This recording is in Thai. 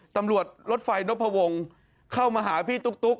ตำรวจรถไฟรถพวงเข้ามาหาพี่ตุ๊ก